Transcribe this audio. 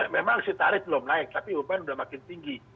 memang si tarif belum naik tapi upn sudah makin tinggi